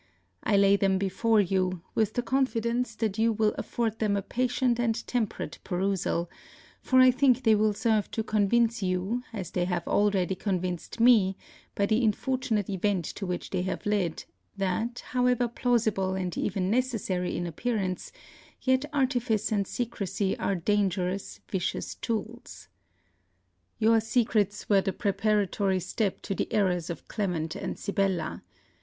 I lay them before you, with the confidence that you will afford them a patient and temperate perusal; for I think they will serve to convince you, as they have already convinced me by the unfortunate event to which they have led, that, however plausible and even necessary in appearance, yet artifice and secresy are dangerous vicious tools. Your secrets were the preparatory step to the errors of Clement and Sibella.